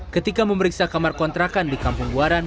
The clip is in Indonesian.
ketika memeriksa kamar kontrakan di kampung buaran